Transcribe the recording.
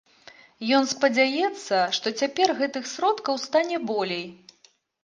Ён спадзяецца, што цяпер гэтых сродкаў стане болей.